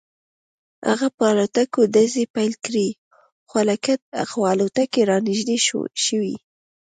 هغه په الوتکو ډزې پیل کړې خو الوتکې رانږدې شوې